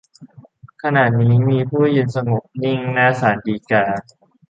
ขณะนี้มีผู้ยืนสงบนิ่งหน้าศาลฎีกา